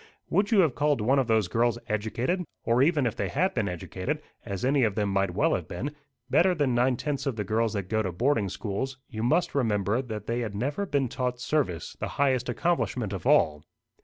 "Would you have called one of those girls educated? Or even if they had been educated, as any of them might well have been, better than nine tenths of the girls that go to boarding schools, you must remember that they had never been taught service the highest accomplishment of all.